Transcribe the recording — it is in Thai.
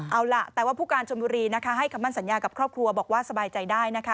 เอาล่ะแต่ว่าผู้การชนบุรีนะคะให้คำมั่นสัญญากับครอบครัวบอกว่าสบายใจได้นะคะ